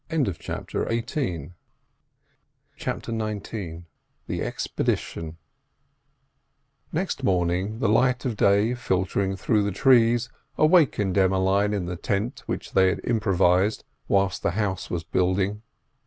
CHAPTER XIX THE EXPEDITION Next morning the light of day filtering through the trees awakened Emmeline in the tent which they had improvised whilst the house was building.